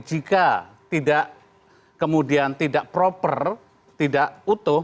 jika tidak proper tidak utuh